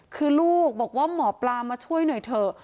คือลูกบอกว่าหมอปลามาช่วยหน่อยเถอะ